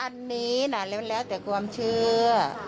อันนี้น่ะแล้วแต่ความเชื่อ